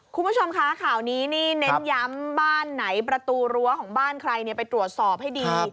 คุณผู้ชมคะข่าวนี้นี่เน้นย้ำบ้านไหนประตูรั้วของบ้านใครไปตรวจสอบให้ดี